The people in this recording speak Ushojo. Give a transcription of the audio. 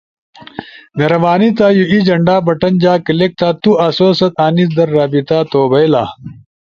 ہربانی تھا یو ای جھنڈا بٹن جا کلک تھا۔ تو آسو ست انیس در رابطہ تھو بئیلا۔